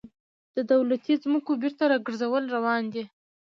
د دولتي ځمکو بیرته راګرځول روان دي